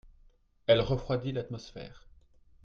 elle refroidit l'atmosphère.